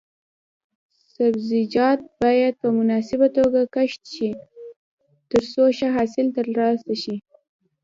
سبزیجات باید په مناسبه توګه کښت شي ترڅو ښه حاصل ترلاسه شي.